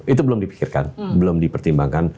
itu belum dipikirkan belum dipertimbangkan